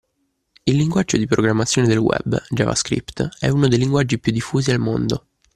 Il linguaggio di programmazione del Web, JavaScript, è uno dei linguaggi più diffusi al mondo.